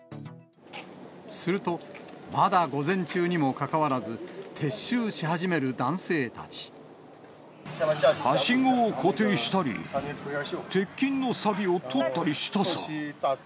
すると、まだ午前中にもかかわらず、はしごを固定したり、鉄筋のさびを取ったりしたさ。